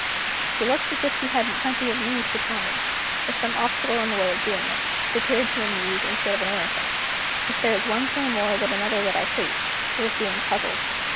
She looked as if she had plenty of news to tell me with some obstacle in the way of doing it, which appeared to amuse instead of annoying her. If there is one thing more than another that I hate, it is being puzzled.